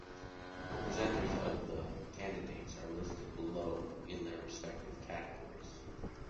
The presenters of the candidates are listed below in the respective categories.